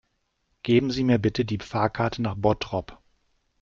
Geben Sie mir bitte die Fahrkarte nach Bottrop